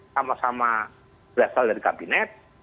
sama sama berasal dari kabinet